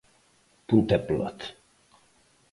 Punto e pelota.